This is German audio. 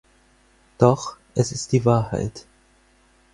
Doch es ist die Wahrheit.